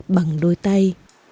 bằng đôi tay